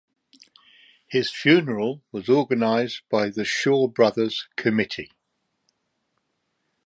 His funeral was organised by the Shaw Brothers committee.